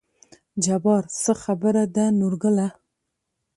جبار : څه خبره ده نورګله